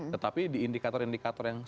tetapi di indikator indikator yang